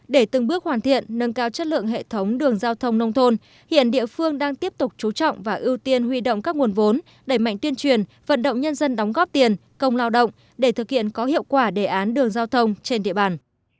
để từng bước hoàn thiện nâng cao chất lượng hệ thống đường giao thông nông thôn hiện địa phương đang tiếp tục chú trọng và ưu tiên huy động các nguồn vốn đẩy mạnh tuyên truyền vận động nhân dân đóng góp tiền công lao động để thực hiện có hiệu quả đề án đường giao thông trên địa bàn